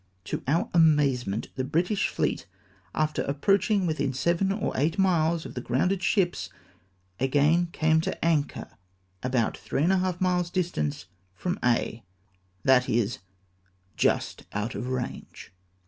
To our amazement, the British fleet, after approaching within seven or eight miles of the grounded ships, again came to anchor about three and a half miles distant from Aix, i. e. just out of range.